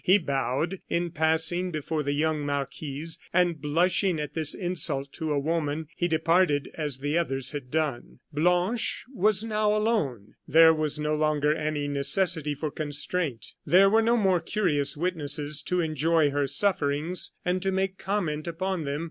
He bowed in passing before the young marquise, and blushing at this insult to a woman, he departed as the others had done. Blanche was now alone. There was no longer any necessity for constraint. There were no more curious witnesses to enjoy her sufferings and to make comment upon them.